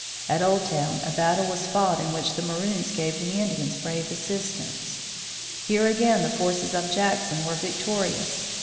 At Old Town a battle was fought in which the Maroons gave the Indians brave assistance. Here again the forces of Jackson were victorious.